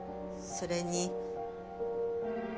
それに？